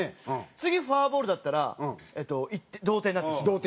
次フォアボールだったら同点になってしまう。